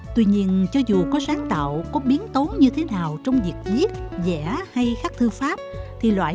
tuy nhiên cho dù có sáng tạo có biến tốn như thế nào trong việc viết dẻ hay khắc thư pháp thì loại